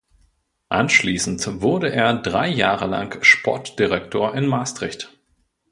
Anschließend wurde er drei Jahre lang Sportdirektor in Maastricht.